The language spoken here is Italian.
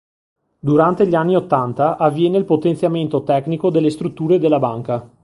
Durante gli anni ottanta avviene il potenziamento tecnico delle strutture della Banca.